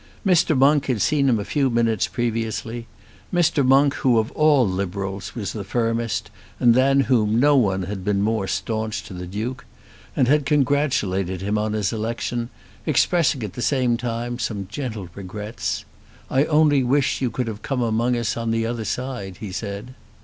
Mr. Monk had seen him a few minutes previously, Mr. Monk who of all Liberals was the firmest and than whom no one had been more staunch to the Duke, and had congratulated him on his election, expressing at the same time some gentle regrets. "I only wish you could have come among us on the other side," he said.